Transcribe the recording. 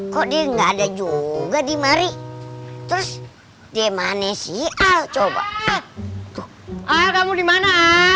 kok dia enggak ada juga di mari terus dimana si al coba kamu dimana